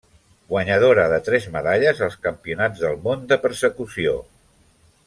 Guanyadora de tres medalles als Campionats del món de Persecució.